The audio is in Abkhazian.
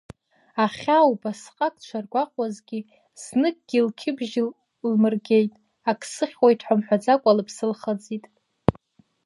Ахьаа убасҟак дшаргәаҟуазгьы зныкгьы лқьыбжьы лмыргеит, ак сыхьуеит ҳәа мҳәаӡакәа лыԥсы лхыҵит.